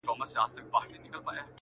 که یو ځلي دي نغمه کړه راته سازه!